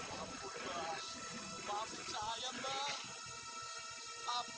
ampun pak ampun sayang pak ampun